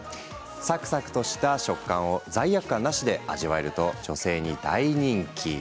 サクサクした食感を罪悪感なしで味わえると女性に大人気。